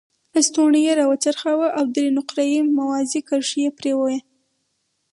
لستوڼی یې را وڅرخاوه او درې نقره یي موازي کرښې یې پرې وې.